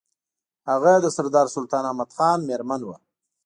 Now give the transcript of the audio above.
هغه د سردار سلطان احمد خان مېرمن وه.